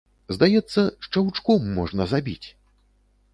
Здаецца, шчаўчком можна забіць!